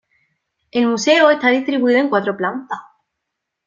El museo está distribuido en cuatro plantas.